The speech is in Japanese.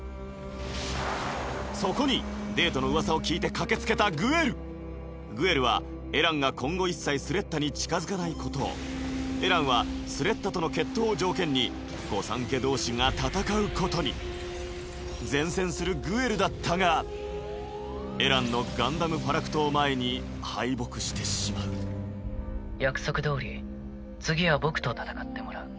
そこにデートのうわさを聞いて駆けつけたグエルグエルはエランが今後一切スレッタに近づかないことをエランはスレッタとの決闘を条件に御三家同士が戦うことに善戦するグエルだったがエランのガンダム・ファラクトを前に敗北してしまう約束どおり次は僕と戦ってもらう。